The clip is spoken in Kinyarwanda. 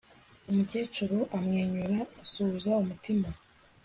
Umukecuru amwenyura asuhuza umutima